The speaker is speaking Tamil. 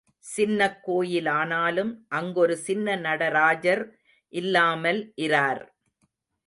சின்னக் கோயிலானாலும் அங்கொரு சின்ன நடராஜர் இல்லாமல் இரார்.